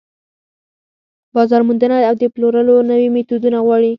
بازار موندنه او د پلورلو نوي ميتودونه غواړي.